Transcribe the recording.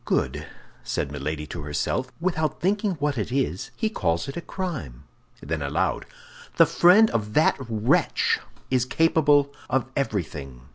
"Good," said Milady to herself; "without thinking what it is, he calls it a crime!" Then aloud, "The friend of that wretch is capable of everything."